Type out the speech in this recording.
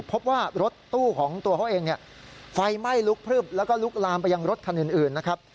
พบว่ารถตู้ของตัวเขาเองไฟไหม้ลุกพลึบแล้วก็ลุกลามไปยังรถคันอื่นนะครับ